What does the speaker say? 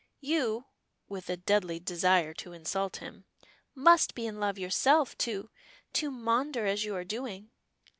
You," with a deadly desire to insult him, "must be in love yourself to to maunder as you are doing?"